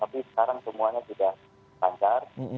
tapi sekarang semuanya sudah lancar